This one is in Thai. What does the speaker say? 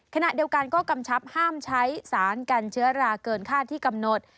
ขณะเดียวกันก็กำชับห้ามใช้สารกันเชื้อราเกินค่าที่กำหนด